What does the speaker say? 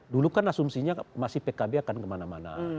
dulu kan asumsinya masih pkb akan kemana mana